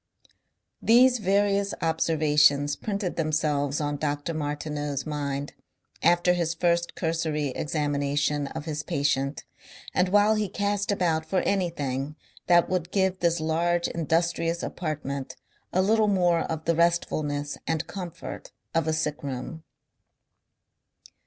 These various observations printed themselves on Dr. Martineau's mind after his first cursory examination of his patient and while he cast about for anything that would give this large industrious apartment a little more of the restfulness and comfort of a sick room.